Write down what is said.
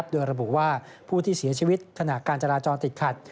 โดยระบุว่าผู้ที่เสียชีวิตขณะการจราจรติดขัด